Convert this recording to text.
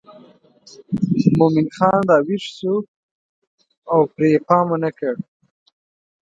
مومن خان راویښ شو او پرې یې پام ونه کړ.